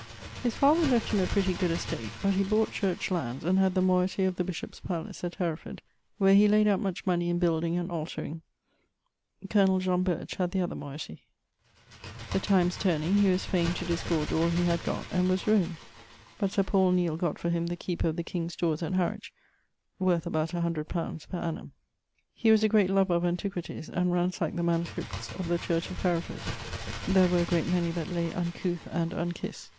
His father left him a pretty good estate, but he bought church lands and had the moeity of the bishop's palace, at Hereford, where he layd out much money in building and altering. Col. John Burch had the other moeity. The times turning, he was faine to disgorge all he had gott, and was ruined, but Sir Paul Neile got for him the keeper of the King's stores at Harwich, worth about C_li._ per annum. He was a great lover of antiquities, and ransackt the MSS. of the Church of Hereford (there were a great many that lay uncouth and unkiss).